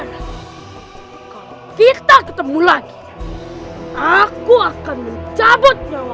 kalau kita ketemu lagi aku akan mencabut nyawa kalian